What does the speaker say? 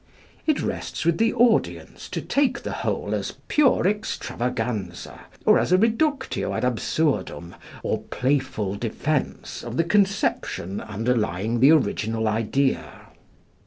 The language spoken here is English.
It rests with the audience to take the whole as pure extravaganza, or as a reductio ad absurdum or playful defense of the conception underlying the original idea.